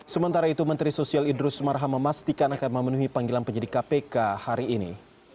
sementara itu menteri sosial idrus marham memastikan akan memenuhi panggilan penyidik kpk hari ini